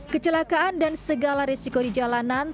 kecelakaan dan segala risiko di jalanan